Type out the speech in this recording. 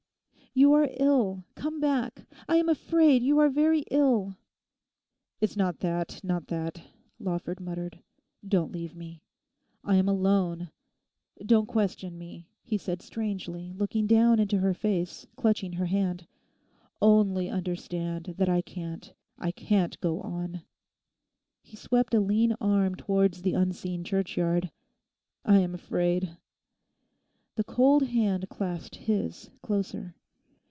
'You are ill. Come back! I am afraid you are very ill.' 'It's not that, not that,' Lawford muttered; 'don't leave me; I am alone. Don't question me,' he said strangely, looking down into her face, clutching her hand; 'only understand that I can't, I can't go on.' He swept a lean arm towards the unseen churchyard. 'I am afraid.' The cold hand clasped his closer.